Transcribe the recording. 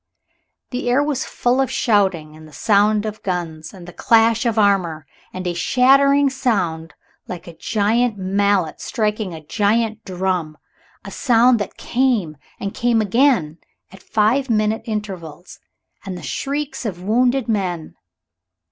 The air was full of shouting, and the sound of guns, and the clash of armor, and a shattering sound like a giant mallet striking a giant drum a sound that came and came again at five minute intervals and the shrieks of wounded men.